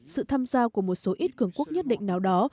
sự tham gia của một số ít cường quốc nhất định nào đó